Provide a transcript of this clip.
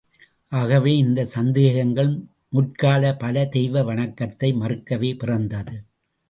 ஆகவே இந்த சந்தேகங்கள் முற்கால பல தெய்வ வணக்கத்தை மறுக்கவே பிறந்தது.